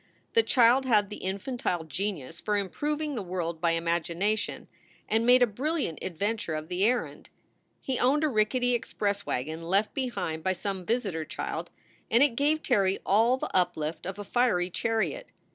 The child had the infantile genius for improving the world by imagination, and made a brilliant adventure of the errand. He owned a rickety express wagon left behind by some visitor child; and it gave Terry all the uplift of a fiery chariot.